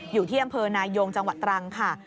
อยู่ที่อำเภอนายงจังหวัดตรังค่ะ